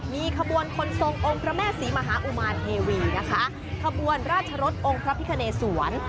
มีขบวนคนทรงองค์พระแม่ศรีมหาอุมารเทวีนะคะขบวนราชรสองค์พระพิคเนสวน